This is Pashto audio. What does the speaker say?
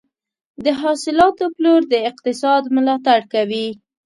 د حاصلاتو پلور د اقتصاد ملاتړ کوي.